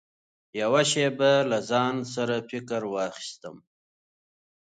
يوه شېبه له ځان سره فکر واخيستم .